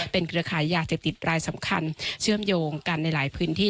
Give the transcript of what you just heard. เครือขายยาเสพติดรายสำคัญเชื่อมโยงกันในหลายพื้นที่